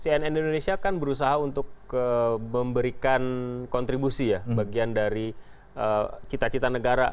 cnn indonesia kan berusaha untuk memberikan kontribusi ya bagian dari cita cita negara